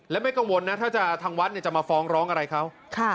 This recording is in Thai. และไม่กังวลนะถ้าจะทางวัดจะมาฟ้องร้องอะไรเขา